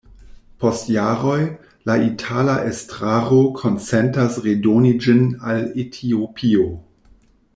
Post jaroj, la itala estraro konsentas redoni ĝin al Etiopio.